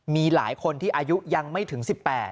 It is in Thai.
มีหลายคนที่อายุยังไม่ถึง๑๘